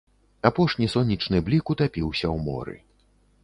Апошні сонечны блік утапіўся ў моры.